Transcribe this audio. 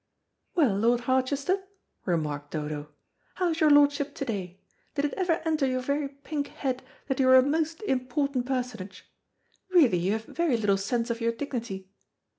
"Well, Lord Harchester," remarked Dodo, "how is your lordship to day? Did it ever enter your very pink head that you were a most important personage? Really you have very little sense of your dignity.